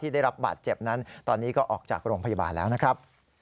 ได้รับบาดเจ็บนั้นตอนนี้ก็ออกจากโรงพยาบาลแล้วนะครับ